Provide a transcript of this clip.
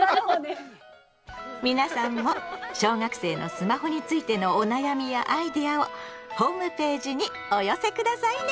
皆さんも小学生のスマホについてのお悩みやアイデアをホームページにお寄せ下さいね！